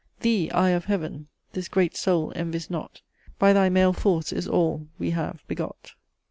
"Thee, eye of heaven! this great Soul envies not; By thy male force is all, we have, begot.